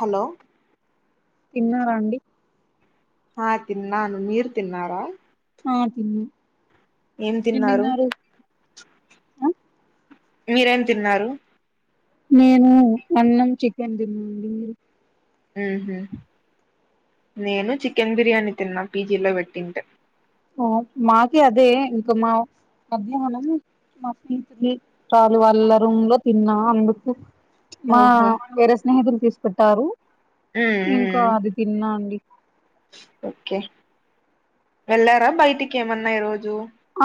Hello తిన్నారండి ఆ తిన్నాను మీరు తిన్నారా ఆ తిన్న ఏం తిన్నారు ఆ మీరేం తిన్నారు నేను అన్నం చికెన్ తిన్నానండి మీరు ఉహు నేను చికెన్ బిర్యానీ తిన్నా పీజీలో పెట్టింటే ఓ మాకి అదే ఇంకా మా మధ్యాహ్నం మా పీసిక్స సార్ వాళ్ళ రూమ్ లో తిన్నవ అందుకే మా ఓహో వేరే స్నేహితులు తీసిపెట్టారు ఊ ఇంకా అది తిన్నా అండి ఓకే వెళ్ళారా బయటికి ఏమన్నా ఈరోజు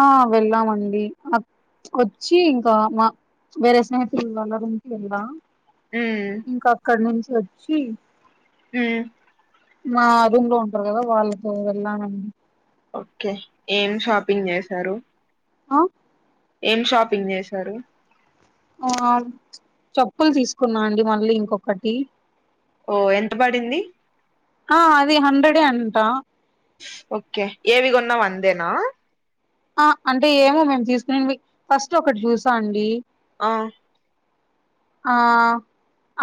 ఆ వెళ్ళామండి అ వచ్చి ఇంకా మా వేరే స్నేహితుల [unintelligible] ఉ ఇంక అక్కడ నుంచి వచ్చి హ మా రూమ్ లో ఉంటారు కదా వాళ్ళతో వెళ్లా ఓకే ఏం షాపింగ్ చేశారు ఆ ఏం షాపింగ్ చేశారు ఆ చెప్పులు తీసుకున్నా అండి మళ్ళీ ఇంకొకటి ఓ ఎంత పడింది ఆ అది హండ్రెడే అంటా ఓకే ఏవిగొన్నా వందేనా ఆ అంటే ఏమో మేము తీసుకుని ఫస్ట్ ఒకటి చూసా అండి ఆ ఆ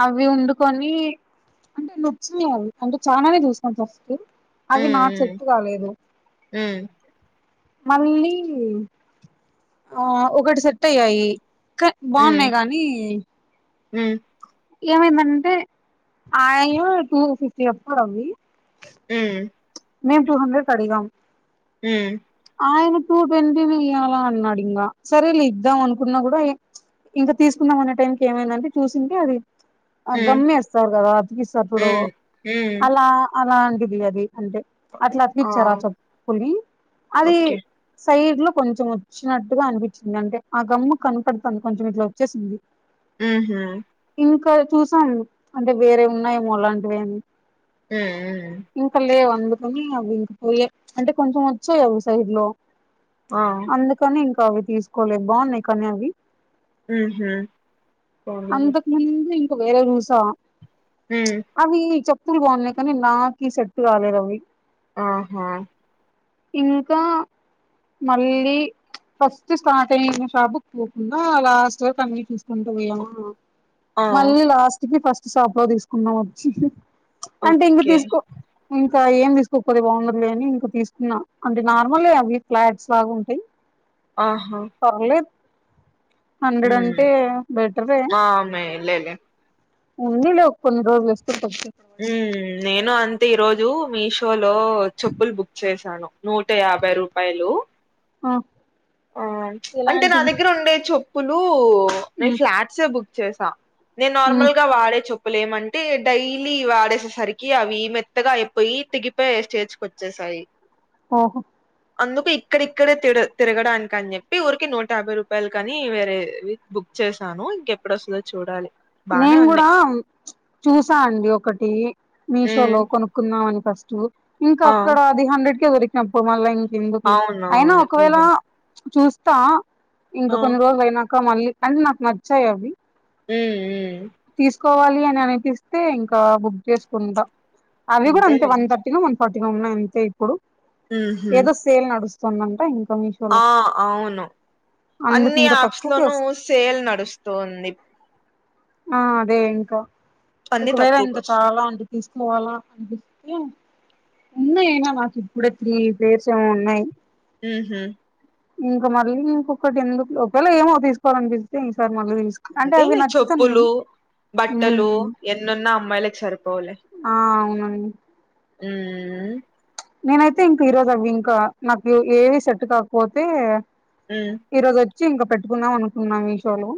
అవి వండుకొని అంటే నచ్చినయి అవి అంటే చాలానే చూసాం ఫస్ట్ అవి నాక్ సెట్ ఉమ్ కాలేదు ఉమ్ [inaudible] మళ్ళీ ఆ ఒకటి సెట్ అయ్యాయి బాన్నాయ్ కానీ ఉ ఏమైందంటే ఆయం టూ ఫిఫ్టీ చెప్పారు అవి ఉ మేము టూ హండ్రెడ్ అడిగాం హ ఆయన టూ ట్వంటీని ఇయ్యాలా అన్నాడు ఇంకా సరే ఇద్దాం అనుకున్నా కూడా ఇంకా తీసుకుందాం అనే టైంకి ఏమైందంటే చూసింటే అది ఆ ఉమ్ గమ్మేస్తారు కదా అతికిస్తప్పుడు ఉమ్ ఉమ్ అలా అలాంటిది అది అంటే అట్ల అతికించారు ఆ చెప్పుల్ని అది ఓకే సైడ్ లో కొంచెం వచ్చినట్టుగా అనిపించింది అంటే ఆ గమ్ము కనపడుతుంది కొంచెం ఇట్లా వచ్చేసింది ఆహా ఇంకా చూసాం అంటే వేరే ఉన్నాయేమోలాంటివి ఉ ఇంకా లేవు అందుకని అవి ఇంక పోయ అంటే కొంచెం వచ్చాయి అవి సైడ్ లో ఆ అందుకని ఇంకా అవి తీసుకోలే బాగున్నాయి కానీ అవి ఆహా పోనీలే ముందు అంతకు ఇంకా వేరేవి చూసా హ అవి చెప్పులు బాగున్నాయి కానీ నాకి సెట్ కాలేదు అవి ఆహా ఇంకా మళ్ళీ ఫస్ట్ స్టార్ట్ అయింది షాపుకి పోకుండా లాస్ట్ వరకు అన్నీ చూసుకుంటూ పోయామా ఆ! మళ్ళీ లాస్ట్ కి ఫస్ట్ షాప్ లో తీసుకున్నాం వచ్చి అంటే ఇంక ఓకే. తీసుకో ఇంకా ఏం తీసుకోకపోతే బాగుండదులే అని ఇంక తీసుకున్నా అంటే నార్మల్ అవి ఫ్లాట్స్ లాగా ఉంటాయి ఆహా పర్లేదు హండ్రెడ్ హ్మ్. అంటే బెటరే ఆ! మేలేలే. ఉందిలే కొన్ని రోజులేస్తే కొంచెం ఉమ్ నేను అంతే ఈ రోజు మీషో లో చెప్పులు బుక్ చేసాను నూట యాభై రూపాయలు అంటే నా ఇలాంటివి దగ్గర ఉండే చెప్ ప్పులు నే ఫ్లాట్స్ యే బుక్ చేసా నేను నార్మల్ గా వాడే చెప్ ప్పులేమంటే డై లీ వాడేసేసరికి అవి మెత్తగా అయిపోయి తెగిపోయే స్టేజ్ కొచ్చేసాయి ఓహో అందుకు ఇక్కడిక్కడే తిర్ తిరగడానికి అని చెప్పి ఊరికి నూట యాభై రూపాయలుకు అని వేరే వి బుక్ చేసాను ఇంకెప్పుడు వస్తదో చూడాలి బానే నేను ఉన్నాయి కూడా ప్చ్ చూసా అండి ఒకటి మీషోలో హ్మ్ కొను క్కుందామని ఫస్ట్ ఇంకా ఆ అక్కడ అది హండ్రెడ్ కే దొరికి నప్పుడు మళ్ళా ఇంకెందుకులే అయినా అవునవును ఒకవేళ నిజమే ప్చ్ చూస్తా ఇంకా ఆ కొన్ని రోజులు అయినాక మళ్ళీ కాని నాకు నచ్చాయి అవి ఉహ్మ్ తీసుకోవాలి అని అనిపిస్తే ఇంకా బుక్ చేసుకుంటా అవి కూడా అంతే అంతేలే వన్ థర్ టీనో వన్ ఫార్టీనో ఉన్నాయి అంతే ఇప్పుడు మ్మ్ హ్మ్ ఏదో సేల్ నడుస్తుందంట ఇంక మీ ఆ అవును అందుకు అన్ని ఇంకా యాప్స్ తక్కువకి లోనూ వస్త సేల్ నడుస్తోంది ఆ అదే ఇంకా అన్ని ఒకవేళ ఇంకా తక్కువకొస్తాయి చాలా ఉంటే తీసుకోవాలా అనిపిస్తే ఉన్నాయి అయినా నాకు ఇప్పుడే త్రీ ప్లేర్స్ ఏమో ఉన్నాయి మ్మ్ హ్మ్ ఇంక మళ్ళీ ఇంకొకటి ఎందుకులే ఒకవేళ ఏమో తీసుకోవాలనిపిస్తే ఈసారి మళ్ళీ తీసు అంటే అవి అంతేలే చొప్ నచ్చుతున్నాయి ప్పులు బట్టలు ఉమ్ ఎన్నున్నా అమ్మాయిలకి సరిపోవులే ఆ అవునండి మ్మ్ హ్ మ్ నేనైతే ఇంక ఈరోజు అవి ఇంకా నాకు ఏవి సెట్ కాకపోతే మ్మ్ ఈ రోజు వచ్చి ఇంకా పెట్టుకుందాం అనుకున్నాం మీషో లో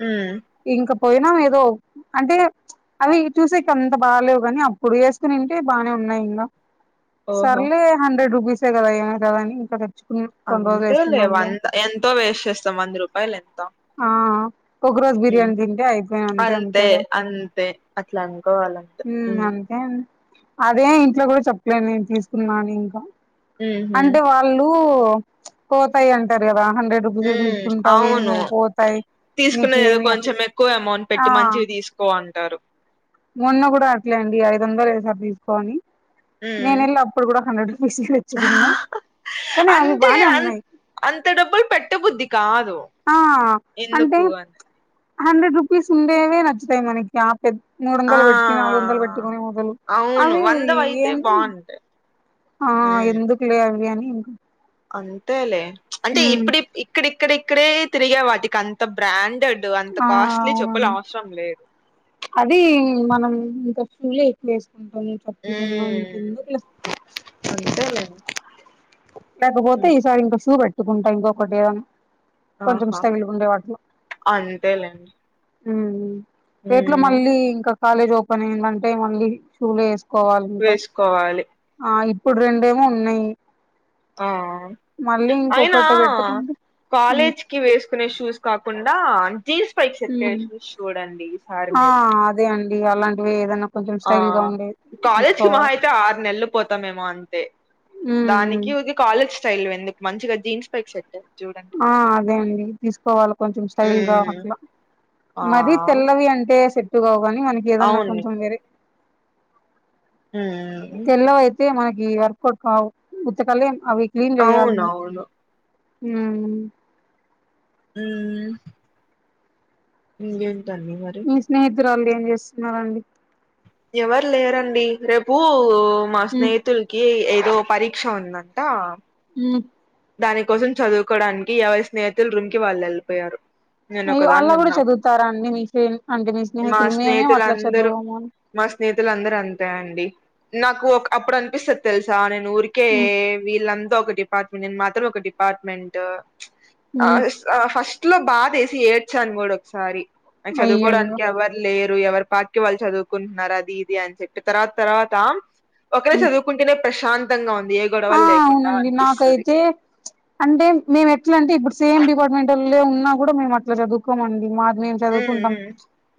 హ్మ్ ఇంక పోయినాం ఏదో అంటే ప్చ్ అవి చూసేకి అంత బాగాలేవు కానీ అప్పుడు వేసుకునింటే బాగానే ఉన్నాయి ఇంగా ఓహో సర్లే హండ్రెడ్ రూపీసే కదా ఏమైతాదని ఇంకా తెచ్చుకున్న కొన్ని రోజులు అంతేలే వేసుకుందాంలే వంద ఎంతో వేస్ట్ చేస్తాం వంద రూపాయలు ఎంత ఆహా ఒక రోజ్ ఉమ్ బిర్యానీ తింటే అయిపాయ్ అంతే అంతేగా అంతే అట్లా అనుకోవాలంతే హ్మ్ ఉమ్ అం అదే ఇంట్లో కూడా చెప్పలేను నేను తీసుకున్నాని ఇంకా ఉహు అంటే వా ళ్ళు ప్చ్ పోతాయి అంటారు కదా హండ్రెడ్ రూపీస్ ఉమ్ తీసుకుంటావు ఏమి అవును నువ్వు పోతాయి తీసుకునేది ఏదో నీకేమి అట్లా కొంచెం ఎక్కువ అమౌంట్ ఆ పెట్టి మంచివి తీసుకో అంటారు మొన్న కూడా అట్లే అండి ఐదు వందలు ఏసారు తీసుకోని నేన ఉమ్ వెళ్ళి అప్పుడు కూడా హండ్రెడ్ రూపీస్ వి తెచ్చుకున్నా కానీ అవి అంటే బానే అం ఉన్నాయ్ అంత డబ్బులు పెట్టబుద్ది కాదు ఆ అంటే ఎందుకు అని హండ్రెడ్ రూపీస్ ఉండేవే నచ్చుతాయి మనకి ఆ పెద్ద మూడు ఆ వందలు పెట్టికు నాలుగు వందలు పెట్టుకొని మొదలు అవును అది వందవయితే ఏంట బాగుంటాయి ఆ ఉమ్ ఎందుక్లే అనిగాని అంతేలే అంటే ఇప్పుడు ఇక్కడిక్కడక్కడే తిరిగే వాటికి అంత బ్రాండెడ్ అంత ఆ కాస్ట్లీ చెప్పులు అవసరం లేదు అదీ మనం ఇంకా ఫుల్ లో ఎప్పుడు వేసుకుంటుంది కప్పులు కొన్నా ఉమ్ నీకెందుకు లే అంతేలేండి లేకపోతే ఉమ్ ఈసారి ఇంకా షూ పెట్టుకుంటా ఇంకొకటి ఏదనా కొంచెం ఆహా స్టైల్గా ఉండే వాటిలో అంతేలేండి రేట్లో ఉమ్ మళ్ళీ ఇంకా కాలేజ్ ఓపెన్ అయిందంటే మళ్ళీ షూలే వేసు కోవాలి ఇకో వేసుకోవాలి ఆ ఇప్పుడు రెండేమో ఉన్నాయి ఆ మళ్ళీ అయినా ఇంకొకటి పెట్టుకుంటే కాలేజ్ కి వేసుకునే షూస్ కాకుండా జీన్స్ పైకి సెట్టైఎ ఉమ్ షూస్ చూడండి ఈసారి ఆ మీరు అదే అండి అలాంటివే ఏదన్నా కొంచెం స్టైల్గా ఉండే తీసుకోవాలా అ ఆరు నెలలు పోతాంమేమో అంతే ఉమ్ ఉమ్ దానికి కాలేజ్ స్టైల్ వి ఎందుకు మంచిగా జీన్స్ పైక్ సెట్ చూడండి ఆ అదే అండి తీసుకోవాలి కొంచెం స్టైల్ గా ఉమ్ అట్లా ఆ మర తెల్లవి అంటే సెట్టు కావు గాని మనకి ఏదన్నా అవును కొంచెం వేరే మ్మ్ తెల్లవ అయితే మనకి ఎర్కోట్ కావు ఉత్తకలేం అవి క్లీన్ చేయాలి అవునవును ఉ ఊ ఇంకేంటండి వర్క మీ స్నేహితురాళ్ళు ఏం చేస్తున్నారండి ఎవర్‌ లేరండి రేపు మా స్నేహితులు కి ఏదో పరీక్షా ఉందంట ఉ దాని కోసం చదువుకోడానికి ఎవరి స్నేహితులు రూమ్ కి వాళ్ళు వెళ్ళిపోయారు నేను అయ్యో అలా ఒకదాన్ని కూడా ఉన్నా చదువుతారా అండి మీ అంటే నీ మా స్నేహితులు మేమేం అట్లా స్నేహితులందరూ చదవము మా స్నెహితులందరూ అంతే అండి నాకు ఒక అప్పుడు అనిపిస్తుది తెలుసా నేను ఊరికే వీళ్ళంతా ఒక డిపార్ట్మెంట్ నేను మాత్రం ఒక డిపార్ట్మెంట్ ఆ ఆ ఫస్ట్ లో బాధేసి ఏడ్చను గూడా ఒకసారి ఆ అయ్యయ్యో చదువుకోవడానికి ఎవ్వరు లేరు ఎవరు పాటికివాళ్ళు చదువుకుంటున్నారు అది ఇది అని చెప్పి తర్వా తర్వాత ఒకరే చదువు కుంటేనే ప్రశాంతంగా ఉంది ఏ గొడవలు లేకుండా అనిపిస్తది ఎంటి అంటే మేంఎట్లాంటే ఇప్పుడు సేమ్ డిపార్ట్మెంట్ లే ఉన్నా కూడా మేము అట్లా చదువుకోమండి మాది మేము ఉమ్ చదువుకుంటాం ఉమ్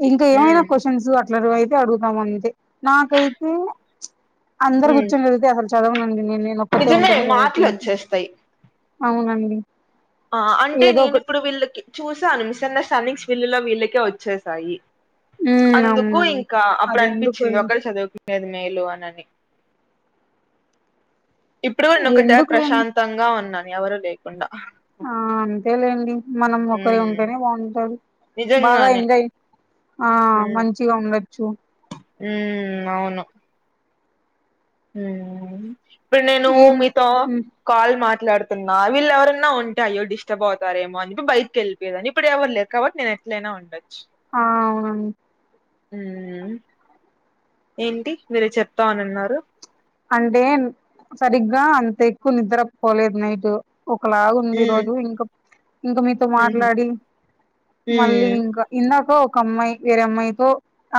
ఇంకా ఏమైనా ఉమ్ క్వశ్చన్స్ అట్ చదువయితో అయితే అడుగుతాం అండి. నాకైతే అందరు ఉమ్ కూర్చొని చదివితే అసలు చదవనండి నేను నేను ఒక్కతే నిజమే ఉంటేనే మాటలు చదువుకుంటా వచ్చేస్తాయి అవునండి ఆ అంటే ఏదో నేను ఒకటి ఇప్పుడు వీళ్ళకి చూసాను మిస్ అండర్స్టాండింగ్స్ వీళ్ళలో వీళ్ళకే వచ్చేసాయి ఉమ్ అందుకు అవునండి ఇంకా అప్పుడు అదెందుకు అనిపించింది ఒకరు చదువుకునేది మేలు అనని ఇప్పుడు ఒకటే ఎందుకులేండి ప్రశాంతంగా ఉన్నాను ఎవరు లేకుండా ఆ అంతేలేండి మనం ఒకరే ఉమ్ ఉంటేనే బావుంటది బాగా నిజంగానే ఎంజాయ్ ఆ మంచిగా ఉండొచ్చు ఉ అవును ఉ ఇప్పుడు నేను ఏం మీతో ఉమ్ కాల్ మాట్లాడుతున్నా వీళ్ళ ఎవరన్నా ఉంటే అయ్యో డిస్టర్బ్ అవుతారేమో అని బయటి కెళ్ళి లేదండి ఇప్పుడు ఎవరు లేరు కాబట్టి నేను ఎట్లయినా ఉండొచ్చు ఆ అవున ఉమ్ ఏంటి మీరు చెప్తా అని అన్నారు అంటే సరిగ్గా అంత ఎక్కువ నిద్రపోలేదు నైటు ఒకలాగ ఉంది ఈ ఉమ్ రోజు ఇంకా ఇంకా మీతో ఉహు మాట్లాడి మళ్ళీ ఉమ్ ఇంకా ఇందాక ఒక అమ్మాయి వేరే అమ్మాయితో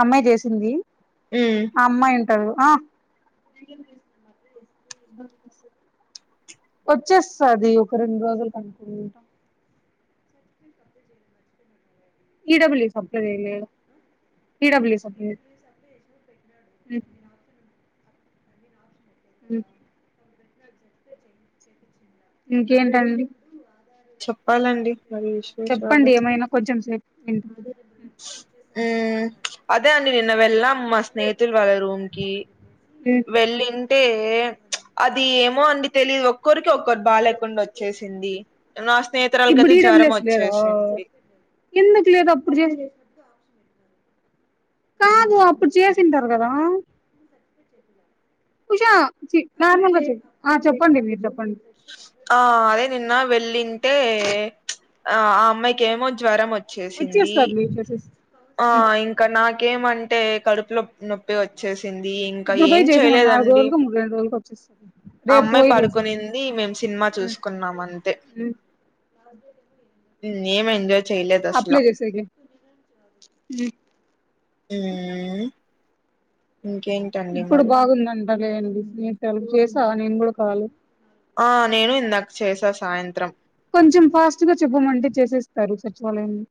అమ్మాయి చేసింది ఉమ్ హా అమ్మాయి ఉంటాది గా ఇంకేం చేస్తున్నారు బ [unintelligible] వచ్చేస్తాది ఒక రెండు రోజుల అనుకుంటా క చేయ మచ్చడి [unintelligible] ఇడబ్ల్యూ అప్ల చేయలే ఇడబ్ల్యూస్ప్ల అప్లై అవునా ఇంకేంటండి చెప్పాలండి మరి విషయం చెప్పండి ఏమైనా కొంచెం సేపు వింట ఉమ్ అదే అండి నిన్న వెళ్ళాము స్నేహితుల వాళ్ళ రూమ్ కి వెళ్లింగ్ అంటే అది ఏమో అండి తెలిదు ఒక్కొరికి ఒక్కటి బాగా లేకుండా వచ్చేసింది నా ఇప్పుడు స్నేహితురాలకయితే జ్వరం ఈడబ్ల్యూఎస్ లేదా వచ్చేసింది ఎందుకు లేదు అప్పుడు చేప్పి కాదు అప్పుడు చేసింటారు కదా ఉష చి నార్మల్ గా చేయి ఆ చెప్పండి మీరు చెప్పండి ఆ అదే నిన్న వెళ్ళింటే ఆ ఆ అమ్మాయికిమో జ్వరం వచ్చి వచ్చేస్తారు మీ చేసేస్త ఆ ఇంకా నాకేమంటే కడుపులో నో వచ్చేసింది ఇంకా ఇప్పుడు ఏం పోయి చేసేమను నాలుగు చేయలేదండి రోజులకు మూడు రెండు రోజులకు వచ్చేస్తది ఆ రేపు అమ్మాయి పోయి పడు చేసేయి కొనింది మేము సినిమా చూసుకున్నాము అంతే ఉమ్ నేనేం ఎంజాయ్ చేయలేదు అప్లై అసలు చేసాకె ఉమ్ ఊ ఇంకేంటి ఇప్పుడు బాగుందంట లేండి నేను [unintelligible] చేసా నేను కూడా కాదు ఆ నేను ఇందాక చేసా సాయంత్రం కొంచెం ఫాస్ట్ గా చెప్పమంటే చేసేస్తారు సచివాలయంలో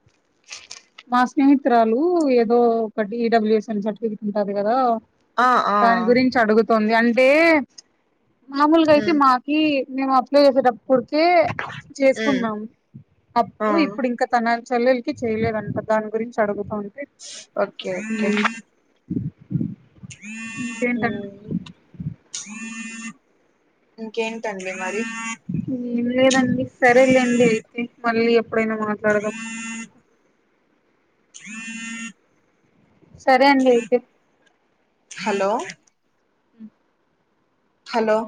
[inaudible] మా స్నేహితురాలు ఏదో ఒకటి ఈడబ్ల్యూఎస్ఎన్ సర్టిఫికెట్ ఉంటాది కదా ఆ ఆ దాని గురించి అడుగుతుంది అంటే మామూలుగా అయితే ఉమ్ మా ఈ మేము అప్లై చేసేటప్పుడుకే ఉమ్ చేసుకున్నాము ఆ అప్పుడు ఇప్పుడు ఇంకా తన చెల్లెలకి చేయలేడంట దాని గురించి అడుగుతుంది ఓకే ఓకే ఉ ఇంకేంటండి ఇంకేంటండి మరి ఏం లేదండి సరేలేండి అయితే మళ్ళీ ఎప్పుడైనా మాట్లాడదాం సరే అండి అయితే హలో హలో